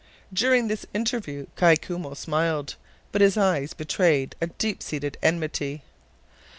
During this interview Kai Koumou smiled, but his eyes betrayed a deep seated enmity.